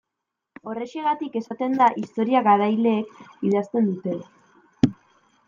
Horrexegatik esaten da historia garaileek idazten dutela.